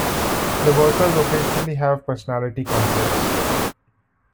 The workers occasionally have personality conflicts.